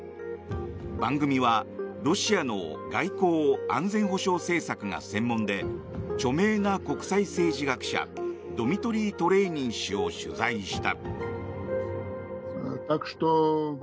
番組はロシアの外交・安全保障政策が専門で著名な国際政治学者ドミトリー・トレーニン氏を取材した。